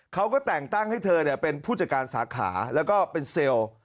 เขาก็แต่งตั้งให้เธอเป็นผู้จัดการสาขาแล้วก็เป็นเซลล์